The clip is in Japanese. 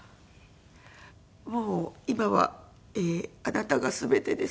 もう今はあなたが全てです。